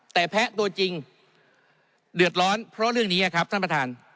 แต่แพ้ตัวจริงเดือดร้อนเพราะเรื่องนี้ครับท่านประธาน